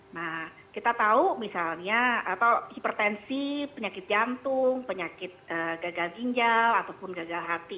nah kita tahu misalnya atau hipertensi penyakit jantung penyakit gagal ginjal ataupun gagal hati